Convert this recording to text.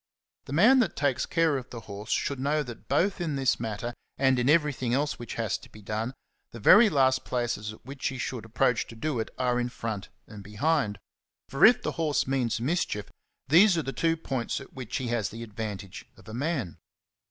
The man that takes care of the horse should know that both in this matter and in everything else which has to be done, the very last places at which he should approach to do it are in front and behind; CHAPTER VI. 35 for if the horse means mischief, these are the two points at which he has the advantage of a man.